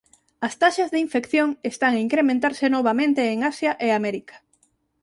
As taxas de infección están a incrementarse novamente en Asia e América.